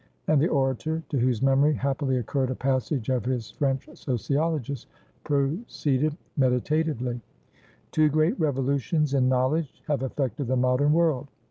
And the orator, to whose memory happily occurred a passage of his French sociologist, proceeded meditatively. "Two great revolutions in knowledge have affected the modern world.